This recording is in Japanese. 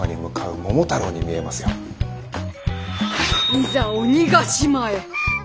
いざ鬼ヶ島へ。